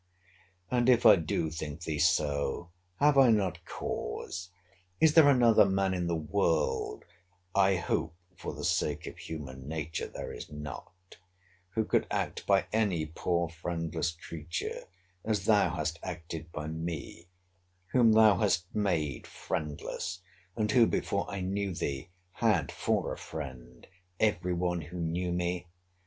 And if I do think thee so, have I not cause? Is there another man in the world, (I hope for the sake of human nature, there is not,) who could act by any poor friendless creature as thou hast acted by me, whom thou hast made friendless—and who, before I knew thee, had for a friend every one who knew me?